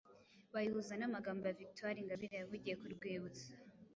bayihuza n'amagambo ya Victoire Ingabire yavugiye ku rwibutso